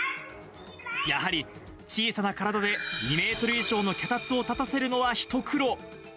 やはり小さな体で２メートル以上の脚立を立たせるのは一苦労。